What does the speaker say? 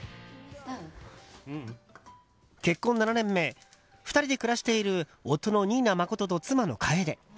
結婚７年目２人で暮らしている夫の新名誠と妻の楓。